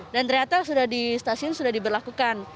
dan ternyata sudah di stasiun sudah diberlakukan